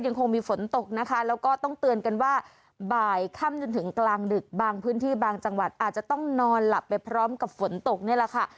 ยังคงมีฝนตกนะคะแล้วก็ต้องเตือนกันว่าบ่ายค่ำจนถึงกลางดึกบางพื้นที่บางจังหวัดอาจจะต้องนอนหลับไปพร้อมกับฝนตกนี่แหละค่ะ